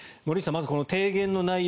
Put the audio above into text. まず提言の内容